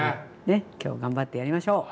ねっ今日頑張ってやりましょう！